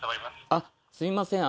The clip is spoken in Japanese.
あっすいません